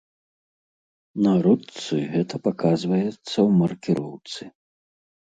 На ручцы гэта паказваецца ў маркіроўцы.